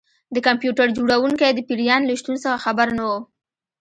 د کمپیوټر جوړونکی د پیریان له شتون څخه خبر نه و